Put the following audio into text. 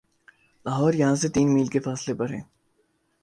لاہور یہاں سے تین میل کے فاصلے پر ہے